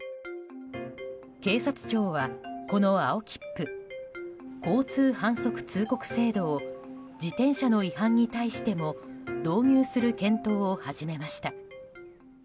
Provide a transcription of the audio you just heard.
警察庁は、この青切符交通反則通告制度を自転車の違反に対しても導入する検討を始めました。